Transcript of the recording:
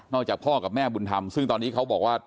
จากพ่อกับแม่บุญธรรมซึ่งตอนนี้เขาบอกว่า